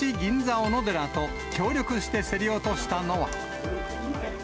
おのでらと協力して競り落としたのは。